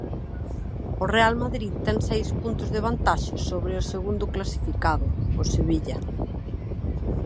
O Real Madrid ten seis puntos de vantaxe sobre o segundo clasificado, o Sevilla.